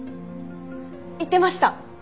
言ってました！